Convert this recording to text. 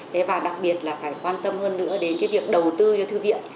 thế và đặc biệt là phải quan tâm hơn nữa đến cái việc đầu tư cho thư viện